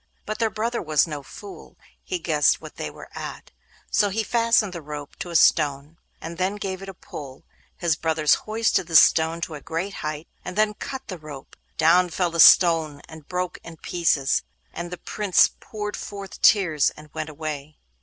But their brother was no fool; he guessed what they were at, so he fastened the rope to a stone, and then gave it a pull. His brothers hoisted the stone to a great height, and then cut the rope. Down fell the stone and broke in pieces; the Prince poured forth tears and went away.